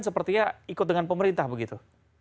sepertinya ikut dengan pemerintah begitu